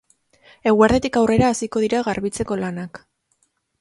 Eguerditik aurrera hasiko dira garbitzeko lanak.